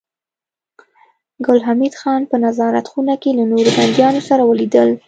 ګل حمید خان په نظارت خونه کې له نورو بنديانو سره ولیدل